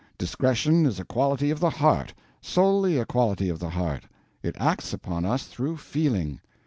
Discretion is a quality of the heart—solely a quality of the heart; it acts upon us through feeling.